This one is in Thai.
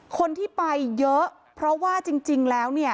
คนที่ไปเยอะเพราะว่าจริงแล้วเนี่ย